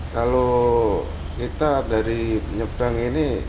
kalau kita dari penyeberang ini